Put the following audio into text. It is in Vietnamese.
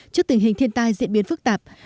trước tình hình thiên tai diễn biến phức tạp